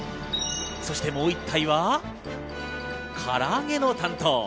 そしてもう１体は、から揚げの担当。